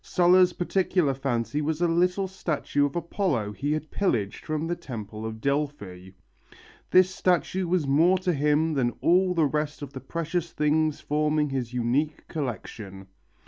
Sulla's particular fancy was a little statue of Apollo he had pillaged from the temple of Delphi. This statue was more to him than all the rest of the precious things forming his unique collection.